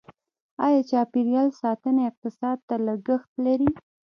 آیا چاپیریال ساتنه اقتصاد ته لګښت لري؟